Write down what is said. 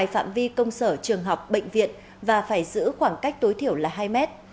tại phạm vi công sở trường học bệnh viện và phải giữ khoảng cách tối thiểu là hai mét